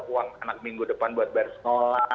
uang anak minggu depan buat bayar sekolah